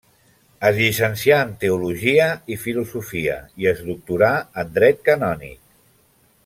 Es llicencià en teologia i filosofia i es doctorà en dret canònic.